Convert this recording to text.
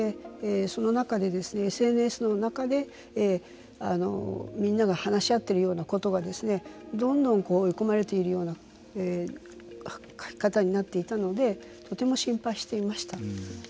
その中で、ＳＮＳの中でみんなが話し合ってるようなことがどんどん追い込まれているような書き方になっていたのでとても心配していました。